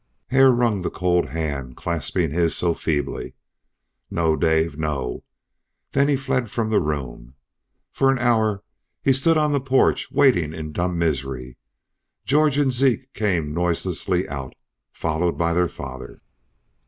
Hare wrung the cold hand clasping his so feebly. "No! Dave, no!" Then he fled from the room. For an hour he stood on the porch waiting in dumb misery. George and Zeke came noiselessly out, followed by their father.